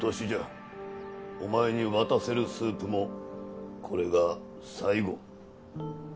お前に渡せるスープもこれが最後。